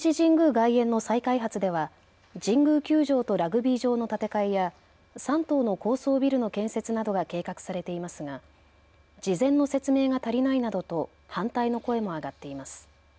外苑の再開発では神宮球場とラグビー場の建て替えや３棟の高層ビルの建設などが計画されていますが事前の説明が足りないなどと反対の声も上がっています。